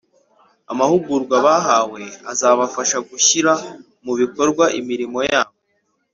Amahugurwa bahawe azabafasha gushyira mu bikorwa imirimo yabo